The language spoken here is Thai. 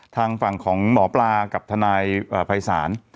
ทางฝั่งของหมอปลากับทนายภัยศาล